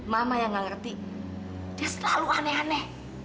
mama yang gak ngerti dia selalu aneh aneh